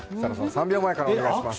３秒前からお願いします。